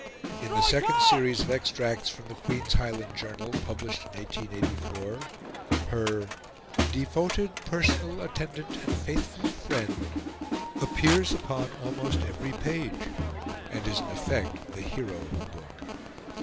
In the second series of extracts from the Queen's Highland Journal, published in 1884, her "devoted personal attendant and faithful friend" appears upon almost every page, and is in effect the hero of the book.